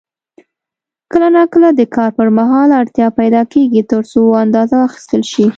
کله نا کله د کار پر مهال اړتیا پیدا کېږي ترڅو اندازه واخیستل شي.